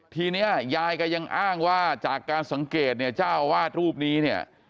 ทีนี้ยายก็ยังอ้างว่าจากการสังเกตเนี่ยเจ้าอาวาสรูปนี้เนี่ย